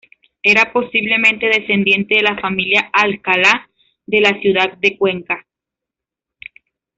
Era posiblemente descendiente de la familia Alcalá de la ciudad de Cuenca.